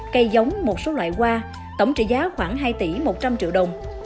cây giống một số loại hoa tổng trị giá khoảng hai tỷ một trăm linh triệu đồng